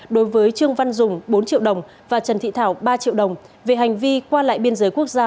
đối với trương văn dùng bốn triệu đồng và trần thị thảo ba triệu đồng về hành vi qua lại biên giới quốc gia